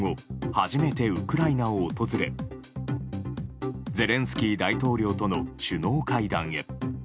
初めてウクライナを訪れゼレンスキー大統領との首脳会談へ。